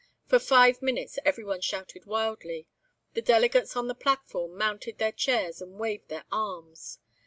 For five minutes everyone shouted wildly; the delegates on the platform mounted their chairs and waved their arms.